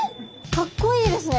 かっこいいですね。